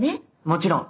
もちろん。